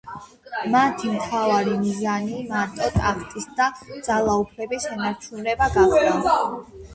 მათი მთავარი მიზანი მარტო ტახტისა და ძალაუფლების შენარჩუნება გახდა.